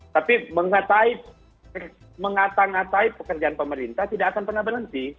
tapi mengatai ngatai pekerjaan pemerintah tidak akan pernah berhenti